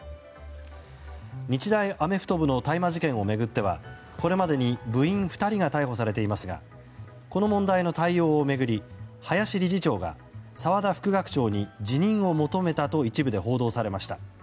日大アメフト部の大麻事件を巡ってはこれまでに部員２人が逮捕されていますがこの問題の対応を巡り林理事長が澤田副学長に辞任を求めたと一部で報道されました。